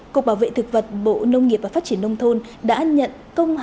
cục bảo vệ thực vật bộ nông nghiệp và phát triển nông thôn đã nhận công